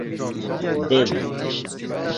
devu